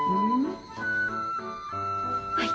はい。